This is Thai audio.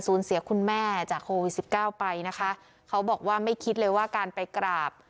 เสียคุณแม่จากโควิดสิบเก้าไปนะคะเขาบอกว่าไม่คิดเลยว่าการไปกราบ